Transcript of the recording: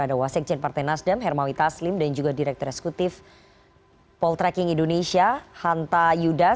ada wasikjen partai nasdem hermawi taslim dan juga direktur eksekutif poltreking indonesia hanta yudas